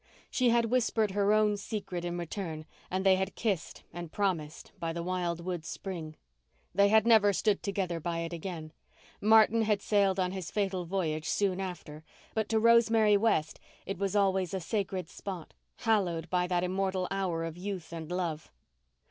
She had whispered her own secret in return, and they had kissed and promised by the wild wood spring. They had never stood together by it again—Martin had sailed on his fatal voyage soon after; but to Rosemary West it was always a sacred spot, hallowed by that immortal hour of youth and love.